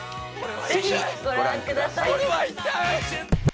ぜひご覧ください。